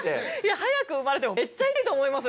早く生まれてもめっちゃ痛いと思いますよ